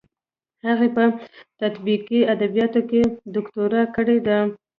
هغې په تطبیقي ادبیاتو کې دوکتورا کړې ده.